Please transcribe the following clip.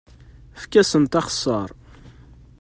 Efk-asent axeṣṣar!